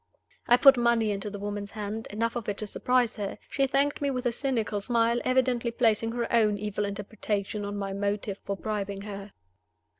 I put money into the woman's hand, enough of it to surprise her. She thanked me with a cynical smile, evidently placing her own evil interpretation on my motive for bribing her.